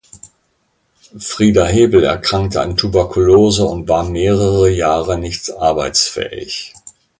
Frieda Hebel erkrankte an Tuberkulose und war mehrere Jahre nicht arbeitsfähig.